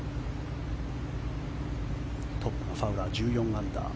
トップのファウラー１４アンダー。